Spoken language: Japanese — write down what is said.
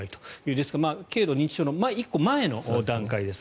ですから、軽度認知症の１個前の段階です。